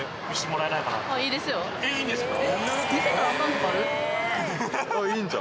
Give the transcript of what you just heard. えいいんですか？